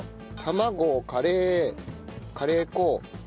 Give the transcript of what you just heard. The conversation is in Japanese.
卵カレーカレー粉。